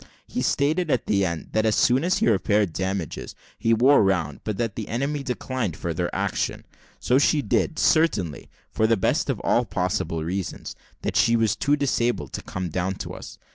He stated, at the end, that as soon as he repaired damages, he wore round, but that the enemy declined further action. So she did, certainly for the best of all possible reasons, that she was too disabled to come down to us.